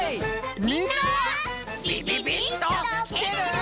みんなビビビッときてる？